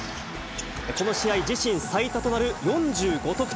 この試合、自身最多となる４５得点。